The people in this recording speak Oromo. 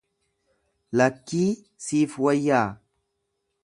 Lakkii, siif wayyaa.